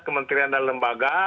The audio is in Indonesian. kementerian dan lembaga